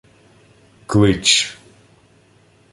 — Клич.